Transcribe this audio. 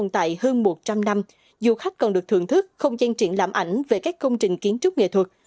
tại hơn một trăm linh năm du khách còn được thưởng thức không gian triển lãm ảnh về các công trình kiến trúc nghệ thuật